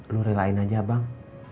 lo relain aja bang